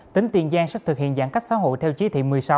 tỉnh tiền giang sẽ thực hiện giãn cách xã hội theo chí thị một mươi sáu